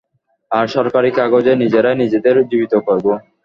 আর সরকারি কাগজে নিজেরাই নিজেদের জীবিত করবো।